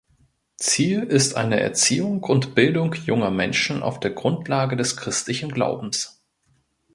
Ziel ist eine Erziehung und Bildung junger Menschen auf der Grundlage des christlichen Glaubens.